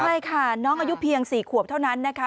ใช่ค่ะน้องอายุเพียง๔ขวบเท่านั้นนะคะ